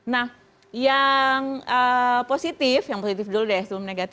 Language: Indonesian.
nah yang positif yang positif dulu deh sebelumnya